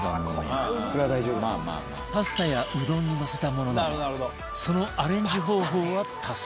パスタやうどんにのせたものなどそのアレンジ方法は多彩